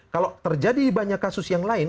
kalau terjadi banyak kasus yang lain